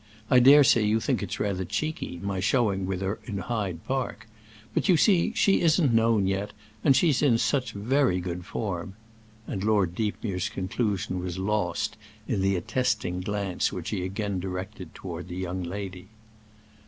I dare say you think it's rather cheeky, my showing with her in Hyde Park, but you see she isn't known yet, and she's in such very good form——" And Lord Deepmere's conclusion was lost in the attesting glance which he again directed toward the young lady.